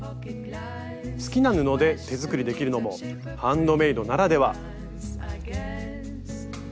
好きな布で手作りできるのもハンドメイドならでは。